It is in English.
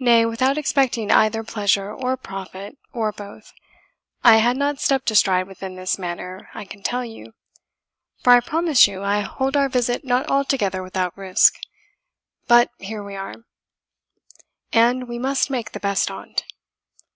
Nay, without expecting either pleasure or profit, or both, I had not stepped a stride within this manor, I can tell you; for I promise you I hold our visit not altogether without risk. But here we are, and we must make the best on't."